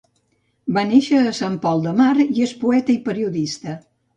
Va néixer a Sant Pol de Mar i és poeta i periodista.